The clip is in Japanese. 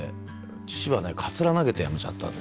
父はねカツラ投げて辞めちゃったんですよ。